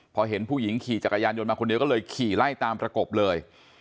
พอเห็นผู้หญิงขี่จักรยานยนต์มาคนเดียวก็เลยขี่ไล่ตามประกบเลย